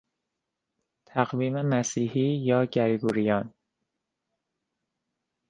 تقویم مسیحی یا گریگوریان